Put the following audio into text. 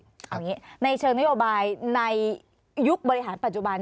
เอาอย่างนี้ในเชิงนโยบายในยุคบริหารปัจจุบัน